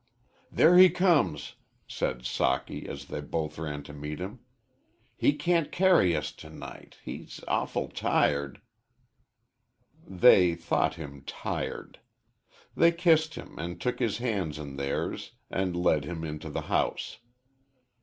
"There he comes!" said Socky, as they both ran to meet him. "He can't carry us to night. He's awful tired." They thought him "tired." They kissed him and took his hands in theirs, and led him into the house.